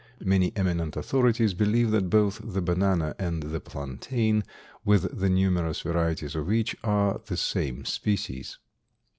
Many eminent authorities believe that both the banana and the plantain, with the numerous varieties of each, are the same species.